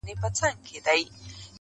د هر قوم له داستانو څخه خبر وو!.